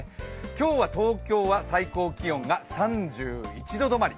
今日は東京は最高気温が３１度どまり。